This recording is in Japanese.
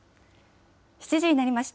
７時になりました。